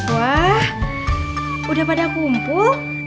wah udah pada kumpul